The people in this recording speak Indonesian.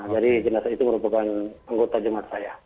jadi jenazah itu merupakan anggota jemaat saya